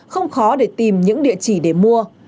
không khó để tìm những địa chỉ để mua